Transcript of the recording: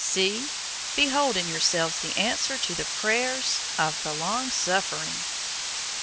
See? Behold in yourselves the answer to the prayers of the long suffering!"